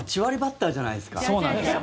そうなんですよ。